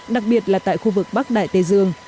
đặc biệt là tại khu vực bắc đại tây dương